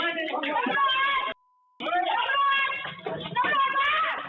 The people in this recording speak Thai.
เฮ้ยน้องโรย